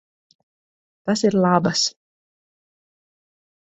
Tas ir labas.